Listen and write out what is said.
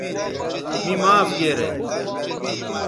می معاف گیرے